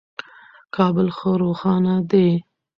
کابل ښه روښانه دی.